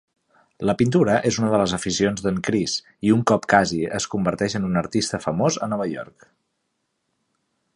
La pintura és una de les aficions de"n Chris i un cop casi es converteix en un artista famós a Nova York.